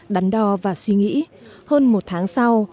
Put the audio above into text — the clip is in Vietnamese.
đắn đo và suy nghĩ hơn một tháng sau